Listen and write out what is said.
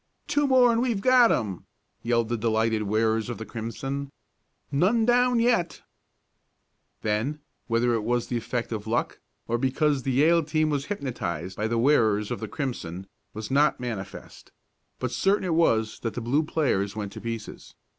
"Two more and we've got 'em!" yelled the delighted wearers of the crimson. "None down yet." Then, whether it was the effect of luck, or because the Yale team was hypnotized by the wearers of the crimson, was not manifest; but certain it was that the blue players went to pieces.